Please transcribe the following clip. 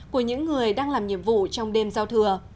của những người đang làm nhiệm vụ trong đêm giao thừa